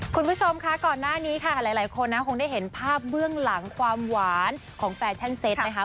คุณผู้ชมค่ะก่อนหน้านี้ค่ะหลายคนนะคงได้เห็นภาพเบื้องหลังความหวานของแฟชั่นเซ็ตนะคะ